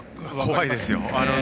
怖いですよ。